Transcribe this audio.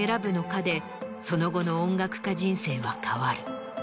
その後の音楽家人生は変わる。